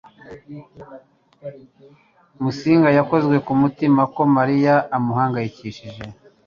Musinga yakozwe ku mutima ko Mariya amuhangayikishije.